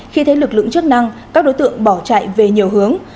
khi thấy lực lượng chức năng các đối tượng bỏ chạy về nhiều hướng